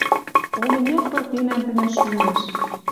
О, мӹнят пыртынем тӹньӹм шӱмӹш.